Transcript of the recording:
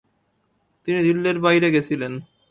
তিনি দিল্লির বাইরে গেছিলেন।